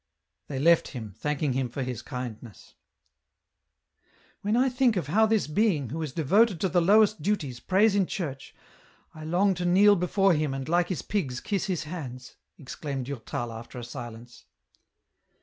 They left him, thanking him for his kindness. *' When I think of how this being, who is devoted to the lowest duties, prays in church, I long to kneel before him and, like his pigs, kiss his hands !" exclaimed Durtal after a silence.